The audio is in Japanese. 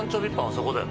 そこだよ。